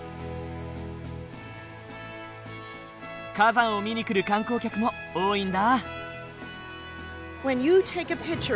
火山を見に来る観光客も多いんだ。